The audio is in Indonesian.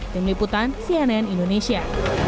dan liputan cnn indonesia